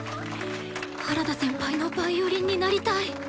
原田先輩のヴァイオリンになりたい！